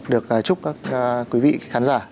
được chúc các quý vị khán giả